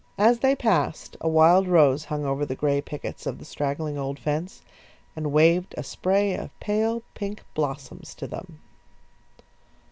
As they passed, a wild rose hung over the gray pickets of the straggling old fence, and waved a spray of pale pink blossoms to them.